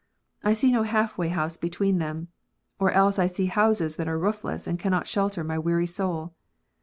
I see no half way house between them ; or else I see houses that are roofless and cannot shelter my weary soul.